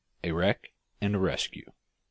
A WRECK AND A RESCUE.